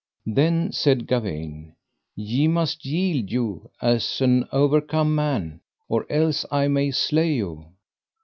Then said Gawaine: Ye must yield you as an overcome man, or else I may slay you.